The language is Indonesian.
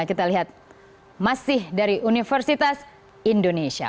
kita lihat masih dari universitas indonesia